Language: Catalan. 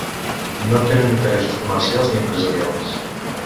No tenen interessos comercials ni empresarials.